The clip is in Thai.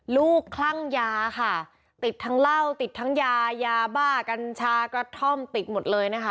คลั่งยาค่ะติดทั้งเหล้าติดทั้งยายาบ้ากัญชากระท่อมติดหมดเลยนะคะ